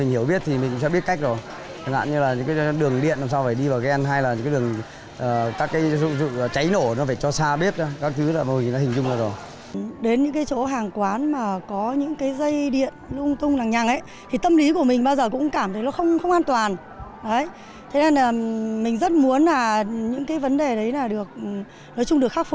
nói chung được khắc phục